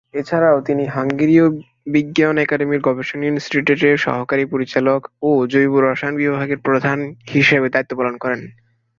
এছাড়াও তিনি হাঙ্গেরীয় বিজ্ঞান একাডেমির গবেষণা ইনস্টিটিউটের সহকারী পরিচালক ও জৈব রসায়ন বিভাগের প্রধান হিসেবে দায়িত্ব পালন করেন।